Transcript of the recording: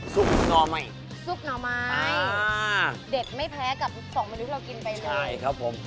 สุกหน่อไม้สุกหน่อไม้เด็ดไม่แพ้กับสองมนุษย์ที่เรากินไปเลย